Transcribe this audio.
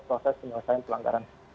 proses penyelesaian pelanggaran